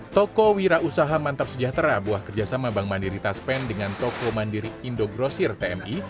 toko wira usaha mantap sejahtera buah kerjasama bank mandiri taspen dengan toko mandiri indogrosir tmi